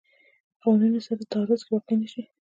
قوانونو سره تعارض کې واقع نه شي.